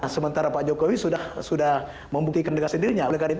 sementara pak jokowi sudah membuktikan dengan sendirinya